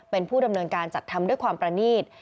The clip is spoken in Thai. เป็นผู้ดำเนินการจัดทำด้วยความประนีต